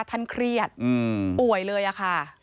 ท่านเครียดป่วยเลยอะค่ะ